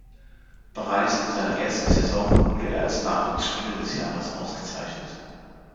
Bereits in seiner ersten Saison wurde er als Nachwuchsspieler des Jahres ausgezeichnet.